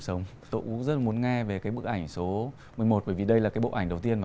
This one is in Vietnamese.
sống tôi cũng rất là muốn nghe về cái bức ảnh số mười một bởi vì đây là cái bộ ảnh đầu tiên và